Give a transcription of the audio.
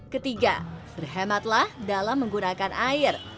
ketiga berhematlah dalam menggunakan air